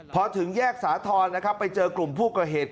พอถึงแยกสาธารไปเจอกลุ่มผู้เกาะเหตุ